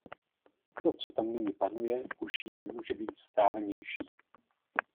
To, co tam nyní panuje, už jí nemůže být vzdálenější.